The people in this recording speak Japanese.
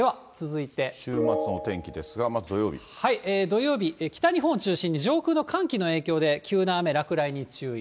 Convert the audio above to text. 週末の天気ですが、まず土曜土曜日、北日本を中心に上空の寒気の影響で急な雨、落雷に注意。